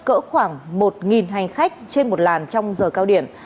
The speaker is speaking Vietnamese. cỡ khoảng một hành khách trên một làn trong giờ cao điểm